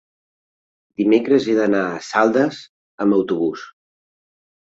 dimecres he d'anar a Saldes amb autobús.